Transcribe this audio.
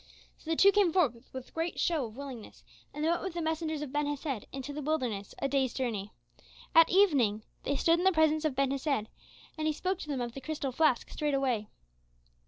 So the two came forth with great show of willingness, and they went with the messengers of Ben Hesed into the wilderness a day's journey. At evening they stood in the presence of Ben Hesed, and he spoke to them of the crystal flask straightway.